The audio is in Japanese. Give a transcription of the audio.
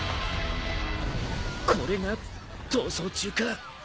これが逃走中か。